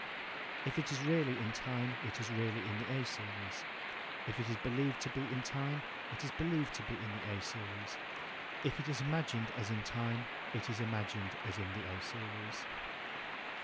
If it is really in time, it is really in the A series. If it is believed to be in time, it is believed to be in the A series. If it is imagined as in times it is imagined as in the A series.